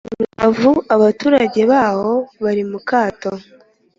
Rubavu abaturage baho bari mukato